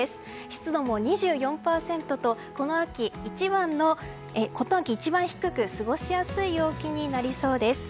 湿度も２４％と、この秋一番低く過ごしやすい陽気になりそうです。